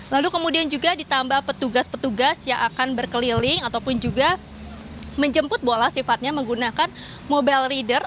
lalu kemudian juga ditambah petugas petugas yang akan berkeliling ataupun juga menjemput bola sifatnya menggunakan mobile reader